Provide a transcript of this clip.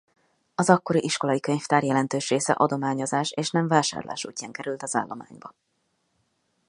Az akkori iskolai könyvtár jelentős része adományozás és nem vásárlás útján került az állományba.